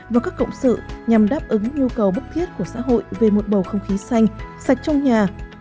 và các cộng sự nhằm đáp ứng nhu cầu bức thiết của xã hội về một bầu không khí xanh sạch trong nhà